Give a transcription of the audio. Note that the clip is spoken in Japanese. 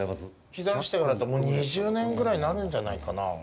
来出してからだったらもう２０年ぐらいになるんじゃないかな。